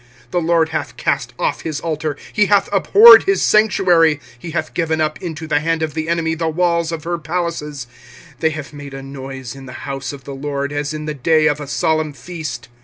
25:002:007 The LORD hath cast off his altar, he hath abhorred his sanctuary, he hath given up into the hand of the enemy the walls of her palaces; they have made a noise in the house of the LORD, as in the day of a solemn feast.